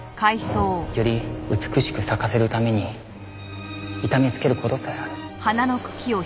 より美しく咲かせるために痛めつける事さえある。